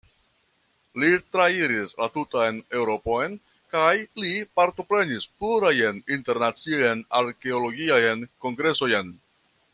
Li trairis la tutan Eŭropon kaj li partoprenis plurajn internaciajn arkeologiajn kongresojn.